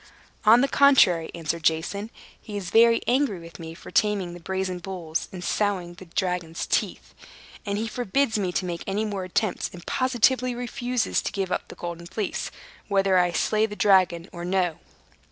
"On the contrary," answered Jason, "he is very angry with me for taming the brazen bulls and sowing the dragon's teeth. And he forbids me to make any more attempts, and positively refuses to give up the Golden Fleece, whether I slay the dragon or no."